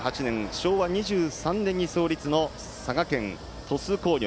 昭和２３年に創立の佐賀県の鳥栖工業。